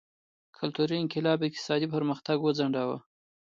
کلتوري انقلاب اقتصادي پرمختګ وځنډاوه.